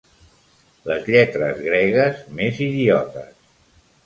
Les lletres gregues més idiotes.